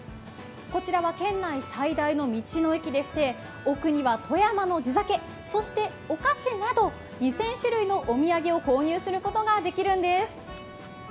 こちらは県内最大の道の駅でして、奥には富山の地酒や、お菓子など２０００種類のお土産を購入することができるんです。